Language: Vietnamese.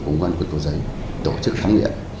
cùng với quận cổ giấy tổ chức thám nghiệm